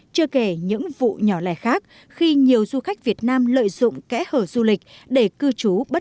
chưa kể những vụ nhỏ lẻ khác khi nhiều du khách việt nam lợi dụng kẽ hở du lịch để cư trú bất